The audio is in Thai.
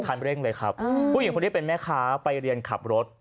คันเร่งเลยครับผู้หญิงคนนี้เป็นแม่ค้าไปเรียนขับรถ